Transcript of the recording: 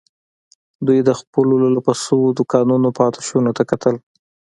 دوی د خپلو لولپه شويو دوکانونو پاتې شونو ته کتل.